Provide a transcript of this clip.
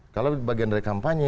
kalau bagian dari kampanye